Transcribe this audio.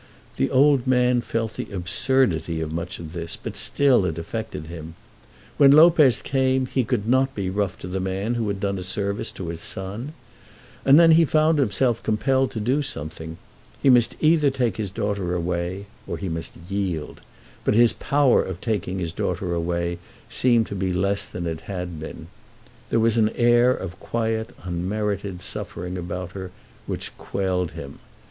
The old man felt the absurdity of much of this, but still it affected him. When Lopez came he could not be rough to the man who had done a service to his son. And then he found himself compelled to do something. He must either take his daughter away, or he must yield. But his power of taking his daughter away seemed to be less than it had been. There was an air of quiet, unmerited suffering about her, which quelled him.